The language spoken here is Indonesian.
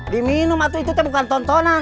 diminum itu bukan tontonan